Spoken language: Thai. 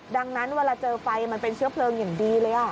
ดังนั้นเวลาเจอไฟมันเป็นเชื้อเพลิงอย่างดีเลย